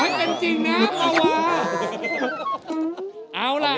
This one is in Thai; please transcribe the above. เฮ่ยขอให้เป็นจริงนะปลาว่า